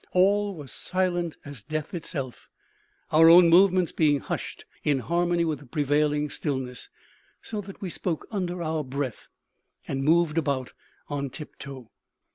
All was silent as death itself; our own movements being hushed, in harmony with the prevailing stillness, so that we spoke under our breath, and moved about on tiptoe.